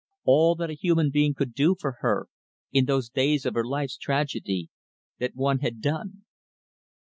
All that a human being could do for her, in those days of her life's tragedy, that one had done.